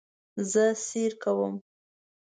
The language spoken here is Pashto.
زه سیر کوم